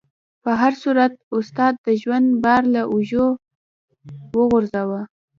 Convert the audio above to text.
په هر صورت استاد د ژوند بار له اوږو وغورځاوه.